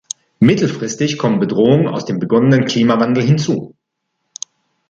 Mittelfristig kommen Bedrohungen aus dem begonnenen Klimawandel hinzu.